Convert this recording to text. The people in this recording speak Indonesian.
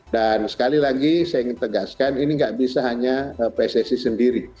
dan sekali lagi saya ingin tegaskan ini gak bisa hanya pssi sendiri